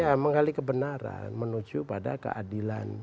ya menggali kebenaran menuju pada keadilan